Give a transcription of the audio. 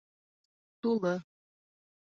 Тулы